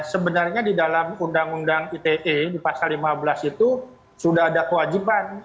sebenarnya di dalam undang undang ite di pasal lima belas itu sudah ada kewajiban